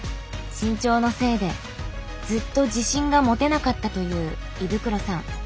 身長のせいでずっと自信が持てなかったという衣袋さん。